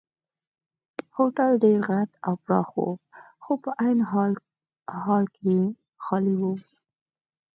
هوټل ډېر غټ او پراخه وو خو په عین حال کې خالي وو.